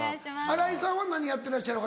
新井さん何やってらっしゃる？